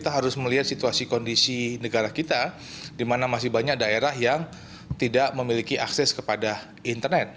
kita harus melihat situasi kondisi negara kita di mana masih banyak daerah yang tidak memiliki akses kepada internet